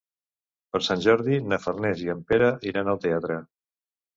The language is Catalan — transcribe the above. Per Sant Jordi na Farners i en Pere iran al teatre.